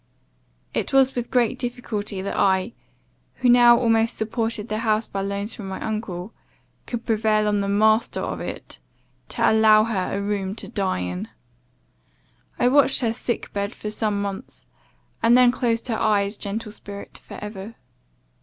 It was with great difficulty that I, who now almost supported the house by loans from my uncle, could prevail on the master of it, to allow her a room to die in. I watched her sick bed for some months, and then closed her eyes, gentle spirit! for ever.